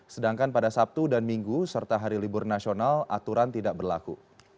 sedangkan pada sabtu dan minggu serta hari libur nasional aturan tidak berlaku